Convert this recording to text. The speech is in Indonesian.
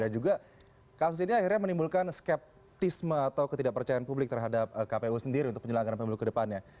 dan juga kasus ini akhirnya menimbulkan skeptisme atau ketidakpercayaan publik terhadap kpu sendiri untuk penyelenggaraan pemilu ke depannya